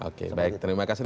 oke baik terima kasih